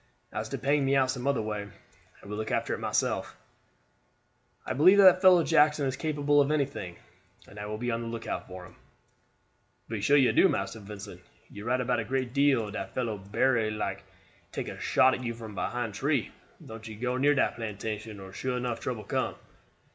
"As to paying me out some other way, I will look after myself, Dan. I believe that fellow Jackson is capable of anything, and I will be on the lookout for him." "Be sure you do, Massa Vincent. You ride about a great deal, dat fellow bery like take a shot at you from behind tree. Don't you go near dat plantation, or sure enuff trouble come."